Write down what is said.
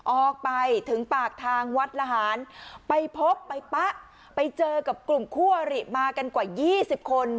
ออกไปถึงปากทางวัดละหารไปพบไปปะไปเจอกับกลุ่มคู่อริมากันกว่า๒๐คน